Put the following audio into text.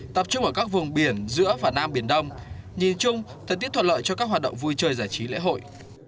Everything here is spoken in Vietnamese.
tập trung ở các vùng biển giữa và nam biển đông nhìn chung thời tiết thuận lợi cho các hoạt động vui chơi giải trí lễ hội